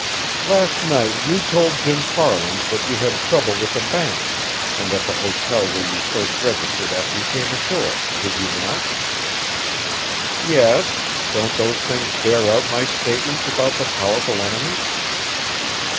"Last night, you told Jim Farland that you had had trouble with a bank, and at the hotel where you first registered after you came ashore, did you not?" "Yes; don't those things bear out my statement about the powerful enemies?"